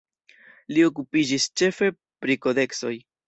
Li okupiĝis ĉefe pri kodeksoj.